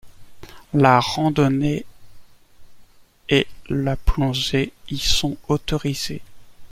La randonnée et la plongée y sont autorisées.